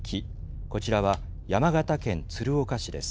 こちらは山形県鶴岡市です。